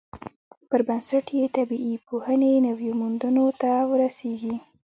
پر بنسټ یې طبیعي پوهنې نویو موندنو ته ورسیږي.